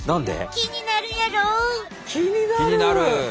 気になる！